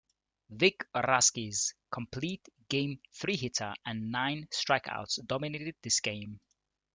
Vic Raschi's complete-game three-hitter and nine strikeouts dominated this game.